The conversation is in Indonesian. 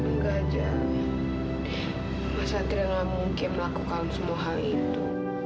nggak jah mas satri nggak mungkin melakukan semua hal itu